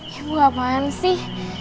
ibu ibu apaan sih